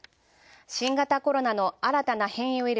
新型コロナの新たな変異ウイル